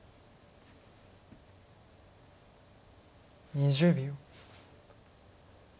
２０秒。